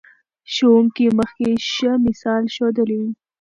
ښوونکي مخکې ښه مثال ښودلی و.